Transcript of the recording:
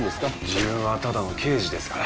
自分はただの刑事ですから。